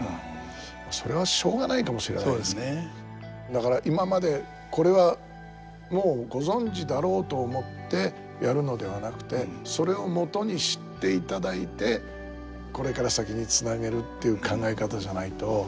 だから今まで「これはもうご存じだろう」と思ってやるのではなくてそれをもとにしていただいてこれから先につなげるっていう考え方じゃないと。